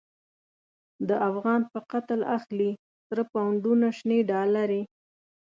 د افغان په قتل اخلی، سره پو نډونه شنی ډالری